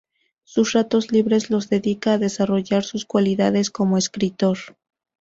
Sus ratos libres los dedica a desarrollar sus cualidades como escritor.